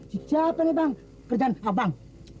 siapa nih bang kerjaan abang